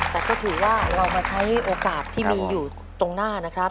แต่ก็ถือว่าเรามาใช้โอกาสที่มีอยู่ตรงหน้านะครับ